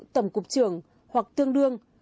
tổng cục trưởng hoặc tương đương